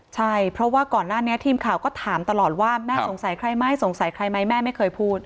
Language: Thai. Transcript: ใช่เพราะว่าก่อนหน้านี้ทีมข่าวก็ถามตลอดว่าแม่สงสัยใครไหมสงสัยใครไหมแม่ไม่เคยพูด